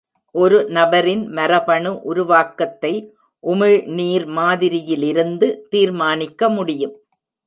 ஒரு நபரின் மரபணு உருவாக்கத்தை உமிழ்நீர் மாதிரியிலிருந்து தீர்மானிக்க முடியும்.